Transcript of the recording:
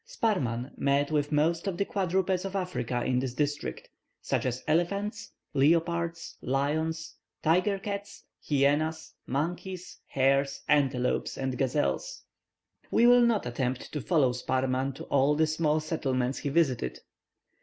Sparrman met with most of the quadrupeds of Africa in this district, such as elephants, leopards, lions, tiger cats, hyenas, monkeys, hares, antelopes, and gazelles. We will not attempt to follow Sparrman to all the small settlements he visited.